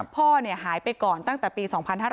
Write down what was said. พ่อหายไปก่อนตั้งแต่ปี๒๕๕๙